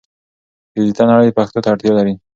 ډیجیټل نړۍ پښتو ته اړتیا لري.